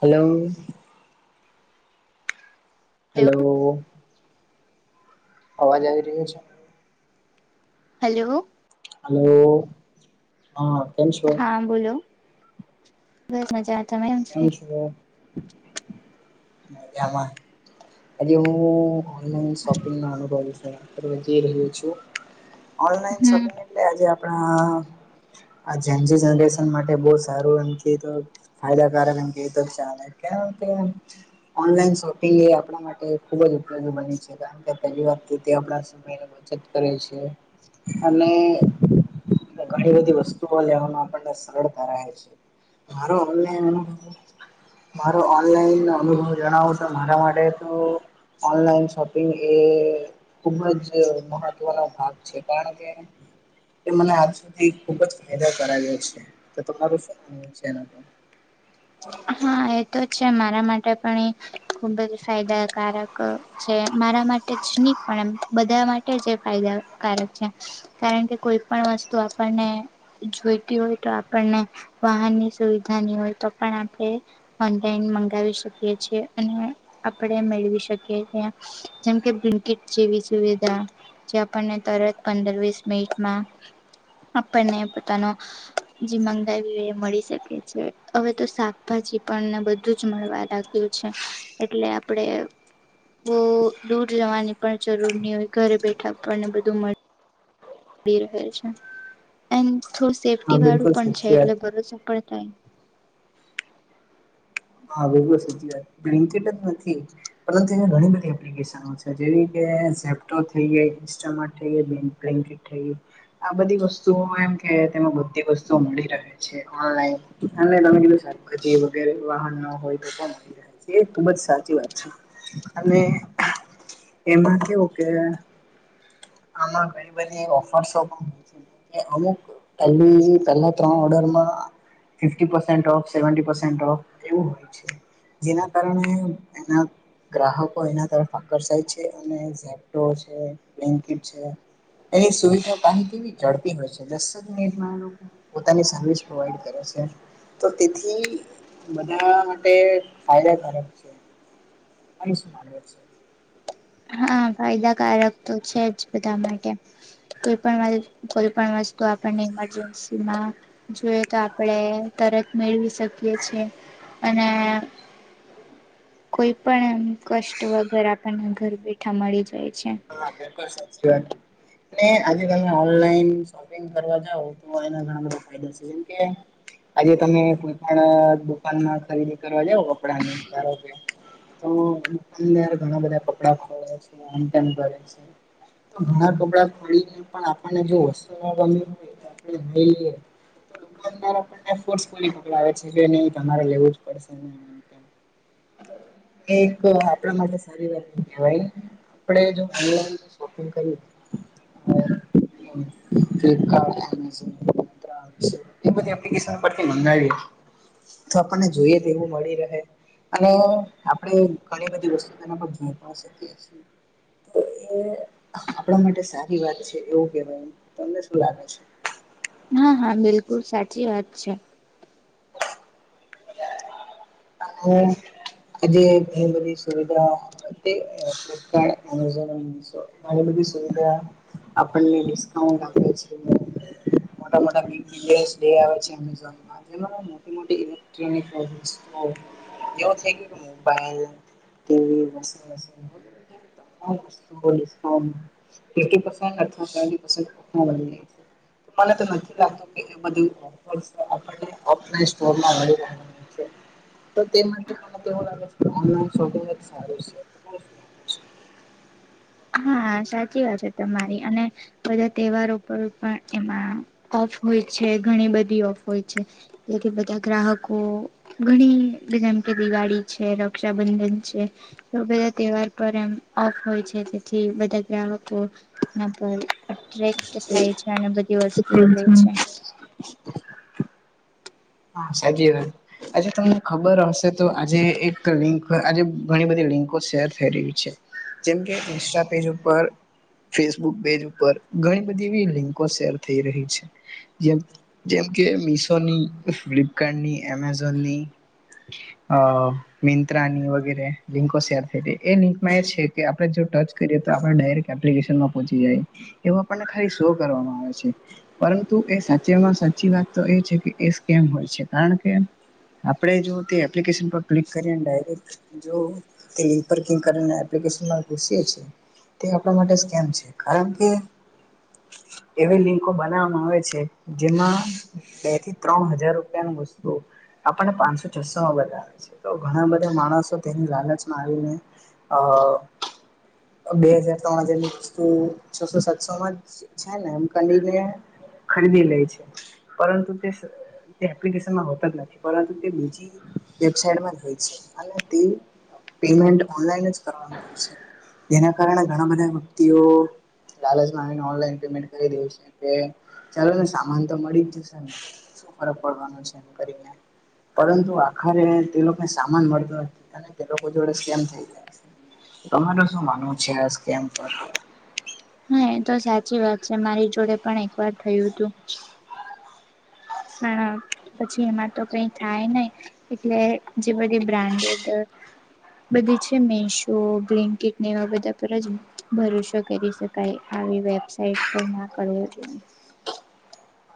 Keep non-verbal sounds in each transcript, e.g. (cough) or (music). Hello. Hello hello. અવાજ આવી રહ્યો છે. હલો. હેલો. હા. હા બોલો બસ મજા આતા મે. (unintelligible) એવું ઓનલાઇન શોપિંગ અનુભવ વિશે બાત કરે જાય રહે છું. ઓનલાઈન હમ્મ. શોપિંગ એટલે આજે આપણા આ જેન જે જનરેશન માટે બહ સારું એમ ક તો. ખાયલા કારણ ક તો ચ. ઓનલાઈન શોપિંગ એ આપણા માટે ખુબ જ ઉપયોગી બની છે કારણ કે પહેલી વાર આપ. સમય બચત કરે છે અને. ઘણી બધી વસ્તુ લેવાવામાં આપને સરળતા રહે છે મારો મારો ઓનલાઈન અનુભવ જણાવો તો મારા માટે તો ઓનલાઈન શોપિંગ એ ખુબ જ મહત્વનો ભાગ છે કારણ કે કે મને આજ સુધી ખુબ જ ફાયદા કરાવ્યા છે. તો તમારું શું માનવું છે એના હા. હા, એ તો જ છે મારા માટે પણ એ ખુબ જ ફાયદાકારક છે, મારા માટે જ નહીં પણ એમ બધા માટે. જે ફાયદાકારક છે કારણ કે કોઈ પણ વસ્તુ આપણને. જોઈતી હોય તો આપણને વાહનની સુવિધાની હોય તો પણ આપણે ઓનલાઈન મંગાવી શકીએ છીએ અને આપણે મેળવી શકીએ. જેમ કે બિન્ટકીટ જેવી સુવિધા. જે આપણને તરત પંદર-વીસ મિનિટમાં આપણને પોતાનો જે મગાવી હોય એ મળી શકે છે, હવે તો શાકભાજી. આપણને બધું જ મળવા લાગ્યું છે, એટલે આપણેે બહુ દૂર જવાની પણ જરૂર નહીં હોય, ઘરે બેઠા આપણને બધું મળે. રહે છે, એમ થોડું હા સેફ્ટી વાળું બિલકુલ પણ છે સાચી વાત એટલે ભરોસો સફળ થાય. હા, બહુ સાચી વાત છે. બ્લિંકિટ જ નથી. પરંતુ અહીંયા ઘણી બધી એપ્લિકેશનો છે, જેવી કે ઝેપીટો થઈ ગયા. (unintelligible) આ બધી વસ્તુઓ એમ કે તેમાં બધી વસ્તુઓ મળી રહે છે, ઓનલાઈન. હા, ને તમે કીધું શાભજી વગેરે વાહનમાં તો મળી છે, એ ખુબ જ સાચી વાત છે અને એમાં કેવું કે આમાં ઘણી બધી ઓફિસો પણ હોય છે. અમુક પલી પેલા ત્રણ ઓર્ડરમાં eighty percent off, seventy percent off એવું જેના કારણે એના ગ્રાહકો એના તરફ આકર્ષાય છે, અને ઝેપટો છે. એની સુવિધા પાણી કેવી ઝડપી હોય છે, દસક મિનિટમાં લોકો પોતાની સર્વિસ પ્રોવાઈડ કરે છે. તો તેથી બધા માટે ફાયદાકારક છે. (unintelligible) હા, ફાયદાકારક તો છે જ બધા માટે. કોઈ પણ કોઈ પણ વસ્તુ આપણને ઈમરજન્સીમાં જોએ તો આપણેે તરત મેળવી શકીએ છેીએ, અને કોઈ પણ કષ્ટ વગર આપણને ઘર બેઠા મળી જાય છે. અને આજકાલ ઓનલાઇન. કરવા તો એ ઘણા બધા ફાયદા છે, કેમ? આજે તમે કોઈ પણ દુકાનમાં ખરીદી કરવા જાવ, કપડાંની ધારો કે તો અંદર ઘણા બધા કપડા ઓ છે, કરે છે. તો ઘણા બધા પાણીને પણ આપણને જો વસ્તુ મળી હોય. (unintelligible) કડાવે છે કે નહીં, તમારે લેવું જ પડશે ને? તેમ એક આપણા માટે સારી વાત એ કહેવાય. આપણે જો ઓનલાઇન શોપિંગ કરી. (unintelligible) મંગાવીએ તો આપણને જોઈએ તે એવું મળી રહે. અને આપડે ઘણી બધી વસ્તુ તેના પર જોઈ પણ શકીએ છીએ. તો એ આપણા માટે સારી વાત છે એવું કેવાય એમ તમને શું લાગે છે હા, હા, બિલકુલ સાચી વાત છે. (unintelligible) હમ, આજે ઘણીબધી સુવિધા. તે ફ્લિપકાર્ટ, એમેઝોન અને મિશો અને બધી સુવિધા આપણને ડિસ્કાઉન્ટ આપ છે મોટા મોટા (unintelligible) ડે આવે છે એમેઝોન માં મોટી મોટી ઇલેક્ટ્રોનિક એવો થઈ ગયો મોબાઈલ, ટીવી, વોશિંગ મશીન (unintelligible) હો ડિસ્કાઉન્ટ એઈટી પર્સન્ટ અઠવા ટ્વેન્ટી (unintelligible) મને તો નથી લાગતું કે એ બધ ઓફલાઈન સ્ટોરમાં મળી રહે છે. તો તે માટે મને તો એવું લાગે છે કે ઓનલાઈન શોપિંગ સારું છે. હા સાચી વાત છે તમારી અને બધા તહેવારો પર પણ એમાં ઓફ હોય છે ઘણી બધી ઓફ હોય છે. જેથી બધા ગ્રાહકો ઘણી બધી જેમ કે દિવાળી છે રક્ષાબંધન છે તો બધા તહેવાર પર એમ ઓફ હોય છે જે થી બધા ગ્રાહકો (unintelligible) અટરેક્ટ થાય છે અને બધી વસ્તુઓ લે છે. હા (unintelligible) આજે તમને ખબર હશે તો આજે એક લિંક આજે ઘણી બધી લિંકો શેર થઈ રહી છે. જેમ કે ઇન્સ્ટા પેજ ઉપર ફેસબુક પેજ ઉપર ઘણી બધી એવી લિંકો શેર થઈ રહી છે જેમ જેમ કે મિશોની ફ્લિપકાર્ટની એમેઝોનની (inaudible) અ મિંત્રાની વગેરે લિંકો શેર થઈ રહી એ લિંકમાં એ છે કે આપણે જો ટચ કરિએ તો આપડે ડાયરેક્ટ એપ્લિકેશનમાં પોચી જાયએ એવું આપને ખાલી શો કરવામાં આવે છે પરંતુ એ સાચામાં સાચી વાત તો એ છે કે એ સ્કેમ હોય છે કારણ કે આપડે જો તે એપ્લિકેશન પર ક્લિક કરીએને ડાયરેક્ટ જો તે લિંક પર ક્લિક કરીને તે એપ્લિકેશનમાં ઘૂસીએ છીએ તે આપણા માટે જ કેમ છે કારણ કે એવી લિંકો બનાવવામાં આવે છે જેમાં બેથી ત્રણ હજાર રૂપિયાનુ વસ્તુ આપને પાંચસો છસો માં બતાવે છે તો ઘણા બધા માણસો તેની લાલચમાં આવીને અ બે હજાર ત્રણ હજારની વસ્તુ છસો સાતસો માં જ છે ને આમ કલીને ખરીદી લે છે પરંતુ એપ્લિકેશનમાં હોતા જ નથી પરંતુ તે બીજી વેબસાઇટ માં હોય છે તે પેમેન્ટ ઓનલાઇન જ કરવાનું હોય છે જેના કારણે ઘણા બધા વ્યક્તિઓ લાલચમા આવીને ઓનલાઈન પેમેન્ટ કરી દે છે કે ચાલો ને સામાન તો મળી જ જશે ને શુ ફરક પડવાનો છે એમ કરીને પરંતુ આખરે તે લોકોને સામાન મળતો નથી અને તે લોકો જોડે કેમ થઈ જાય છે. તમારે શું માનવું છે આ સ્કેમ પર હા એ તો સાચી વાત છે મારી જોડે પણ એક વાર થયું હતું પણ પછી એમાં તો કઈ થાય નહી એટલે જે બધી બ્રાન્ડેડ બધી છે મીશો, બ્લેન્કીટ ને એવા બધા પર જ ભરોસો કરી શકાય. આવી વેબસાઇટ પર ના કરવું જોઈએ.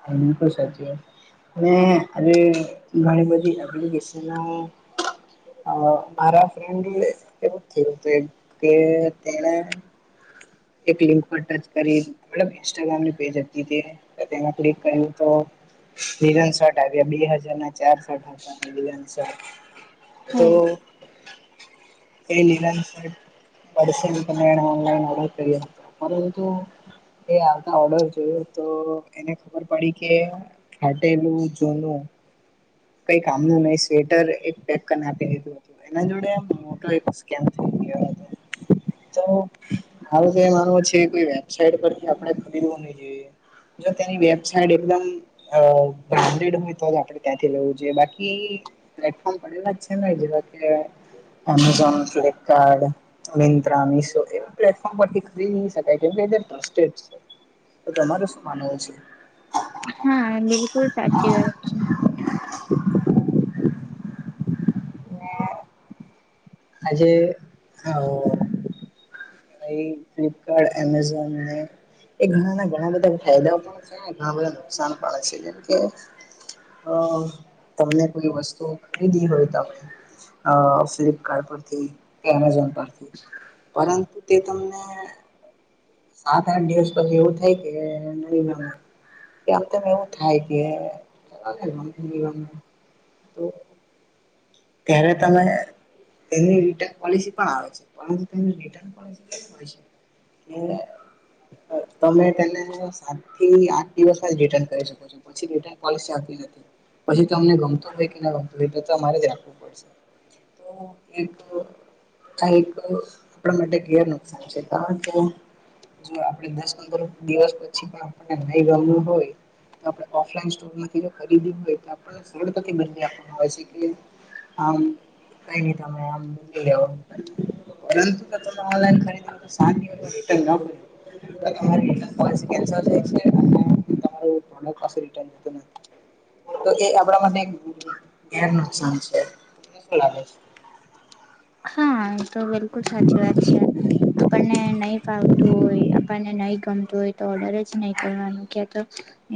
હા બિલકુલ સાચી વાત છે. અને હજ ઘણી બધી એપ્લિકેશનો મારા ફ્રેન્ડ એ એવું જ થયું હતું એક અ તે્યાના એક લિંક પર ટચ કરીડ ઇન્સ્ટાગ્રામની પેજ ક તો (unintelligible) લીલન શર્ટ આવ્યા બે હજાર ના ચાર શર્ટ હતા લીલનશટ. તો હમ. એ લીલન શર્ટ પડશે તમે એને ઓનલાઈન ઓર્ડર કરી અરે હું તવ એ આવતા ઓર્ડર જોયયો તો. એને ખબર પડી કે ખાટેલું જૂનું. કઈ કામ નુ નહી સ્વેટર એક પેક કરીને આપી દીધું. હતું એના જોડે આમ મોટો એક સ્કેમ થઈ ગયો હતો. તો મારું તો માનવું છે કોઈ વેબસાઈટ પરથી આપડણે ખરીદવું નહી જોઈએ. જો તેની વેબસાઇટ એકમ બ્રાન્ડેડ હોય તો જ આપણે ત્યાં. થી લેવું જોઈએ બાકી પ્લેટફોર્મ પર એવા જ છે ને જેવા કે. એમેઝોન, ફ્લિપકાર્ટ મંત્રા, મિશો એવા પ્લેટફોર્મ પરથી ખરી ન શકાય કેમકે એ ટ્રસ્ટેડ છે. તો તમારે શું માનવું છે. હા બિલકુલ સાચી વાત છે. (inaudible) આજે હ- અ (unintelligible) ફ્લિપકાર્ટ, એમેઝોન ને એ ઘણાના ઘણા બધા ફાયદા પણ છે ઘણા બધા નુકસાન પણ છે જેમ કે અ તમને કોઈ વસ્તુ ખરીદી હોય ત (unintelligible) ફ્ (unintelligible) થી કે એમેઝોન પરથી પરંતુ તે તમને સાત આઠ દિવસ પછી એવું થાય કે નહી ગમ. કે આમ ત એવું થાય કે (unintelligible) ગમ તો. ત્યારે તમે તેની રિટન પોલિસી પણ આવે છે પરંતુ તેનું રિટન (unintelligible) મળ હોય છે. એ તમે તેને સાત થી આઠ દિવસમાં જ રિટર્ન કરી શકો છો. પછી રિટર્ન પોલિસી આવતી નથી. પછી તમને ગમતું હોય કે ના ગમતું હોય એટલે તમારે જ રાખવું પડશે. તો એ ક્યાક કઈક આપણા (unintelligible) માટે ઘેર નુકસાન છે કારણકે. જો આપે દસ પંદર દિવસ પછી પણ આપણને લઈ ગમું હોય. તો આપણે ઓફલાઈન સ્ટોરમાંથી જો ખરીદી હોય તો આપણને સરળ તા થી બદલી આપવામાં હોય છે કે. આમ. કાઇ ની તમે આમ બ (unintelligible) ત ઓનલાઇન ખરીદી સાત દિવસમાં રિટર્ન ન હોય તો તમારી રિટર્ન પોલિસી કેન્સલ થાય છે અને તમા. (unintelligible) પાસે રિટર્ન થતું નથી. તો એ આપડા માટ ગેર નુકસાન છે તને શું લાગે છે. હા એ તો બિલકુલ સાચી વાત છે. આપણને નહી ફાવતું હોય આપણને નહી ગમતું હોય તો ઓર્ડર જ નહીં કરવાનો ક્યા તો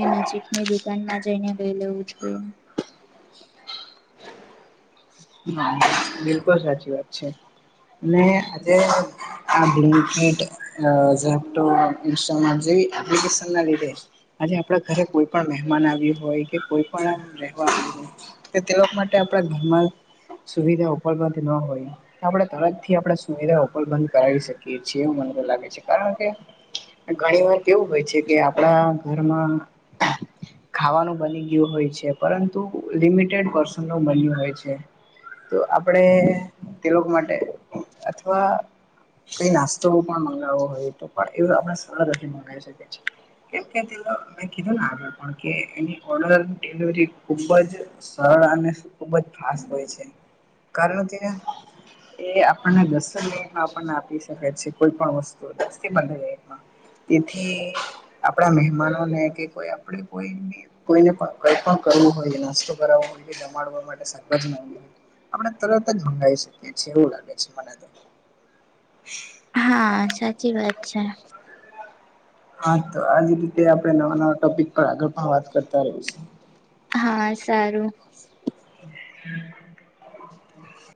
એ નજીકની દુકાનમાં જઈને લઈ લેઉું છું. હા બિલકુલ સાચી વાત છે અને આજે આ બ્લીન્કેટ, ઝેબટો, ઇન્સ્ટ્રામ જે એપ્લિકેશન ના લીધે આજે આપણા ઘરે કોઈ પણ મહેમાન આવ્યું હોય કે કોઈ પણ આ રહેવા આવ્યું હોય. કે તે લોકો માટે આપણા ઘરમાં સુવિધા ઉપલબ્ધ ના હોય. આપણે તરતથી આપણે સુવિધા ઉપલ્ંધ કરાવી શકીએ છીએ એવું મને લાગે છે કારણ કે. ઘણી વાર એવું હોય છે કે આપણા ઘરમાં. ખાવાનું બની ગયું હોય છે પરંતુ લિમિટેડ પર્સનનું બન્યું હોય છે. તો આપણે તે લોકો માટે અથવા કઈ નાસ્તો પણ મંગાવો હોય તો પણ એવું આપણે સરળથી મંગાવી શકીએ છે. કેમ કે તે મેં કીધું ને આગળ પણ કે એની ઓર્ડર ડિલિવરી ખુબ જ સરળ અને ખુબ જ ફાસ્ટ હોય છે કારણ કે એ આપણને દસન લમાં આપણને આપી શકે છે કોઈ પણ વસ્તુ દ બ લમાં તેથી આપણા મહેમાનોને કે કોઈ આપણે કોઈ કોઈને પણ કઈ પણ કરવું હોય નાસ્તો કરો હોય જમાડવા માટે શાકભાજી ના આપણે તરત જ મંગાવી શકીએીએ એવું લાગે છે મને તો હા સાચી વાત છે હા તો આજ રીતે આપણે નવા નવા ટોપિક પર આગળ પણ વાત કરતા રહ છે હા સારું હમ